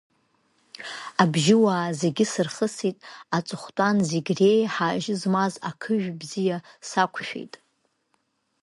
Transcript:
Абжьуаа зегьы сырхысит, аҵыхәтәан зегь реиҳа ажьы змаз ақыжә бзиа сақәшәеит!